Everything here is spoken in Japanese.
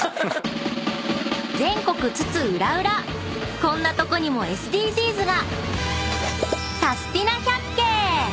［全国津々浦々こんなとこにもＳＤＧｓが］